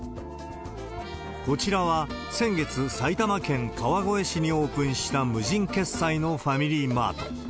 こちらは先月、埼玉県川越市にオープンした無人決済のファミリーマート。